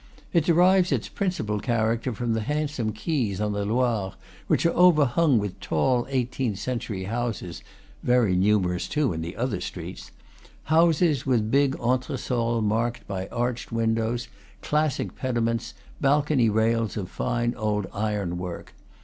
It derives its principal character from the handsome quays on the Loire, which are overhung with tall eighteenth century houses (very numerous, too, in the other streets), houses, with big entresols marked by arched windows, classic pediments, balcony rails of fine old iron work.